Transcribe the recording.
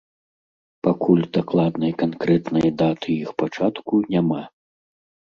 Пакуль дакладнай канкрэтнай даты іх пачатку няма.